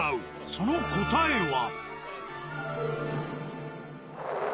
その答えは。